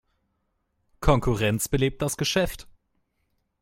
Konkurrenz belebt das Geschäft.